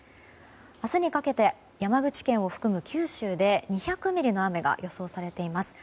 明日にかけて山口県を含む九州で２００ミリの雨が予想されています。